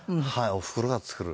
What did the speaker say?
おふくろが作る。